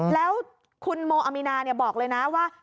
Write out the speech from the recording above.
แล้วคุณโมอามีนาบอกเลยนะว่า